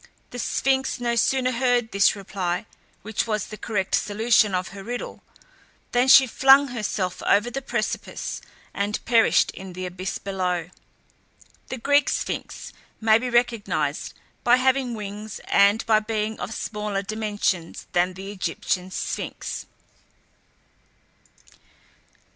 The Sphinx no sooner heard this reply, which was the correct solution of her riddle, than she flung herself over the precipice, and perished in the abyss below. The Greek Sphinx may be recognized by having wings and by being of smaller dimensions than the Egyptian Sphinx.